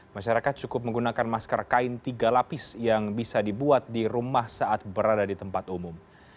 masyarakat cukup menggunakan masker kain tiga lapis yang bisa dibuat di rumah saat berada di tempat umum